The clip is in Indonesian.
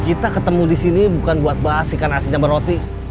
kita ketemu di sini bukan buat bahas ikan asin sama roti